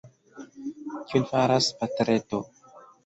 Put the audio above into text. Kion faras patreto?